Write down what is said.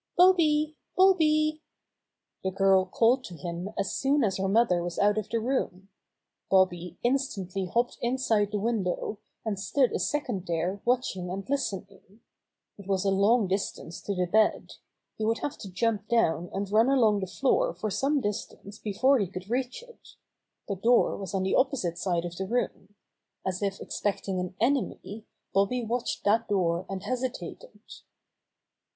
"Bobby! Bobby!" The girl called to him as soon as her mother was out of the room. Bobby instantly hopped inside the window, and stood a second there watching and listening. It was a long dis tance to the bed. He would have to jump down and run along the floor for some dis tance before he could reach it. The door was on the opposite side of the room. As if ex 38 Bobby Gray Squirrers Adventures pecting an enemy, Bobby watched that door and hesitated.